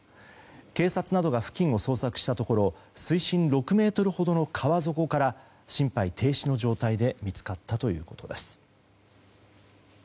警察などが付近を捜索したところ水深６ｍほどの川底から心肺停止の状態で見つかったということです。